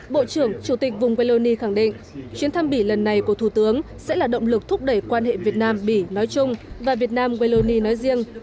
bộ trưởng chủ tịch vùng wallonie khẳng định chuyến thăm bỉ lần này của thủ tướng sẽ là động lực thúc đẩy quan hệ việt nam bỉ nói chung và việt nam wallonie nói riêng